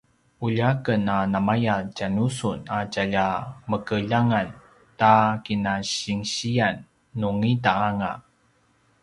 ulja aken a namaya tja nu sun a tjalja makeljangan ta kinasinsiyan nungida anga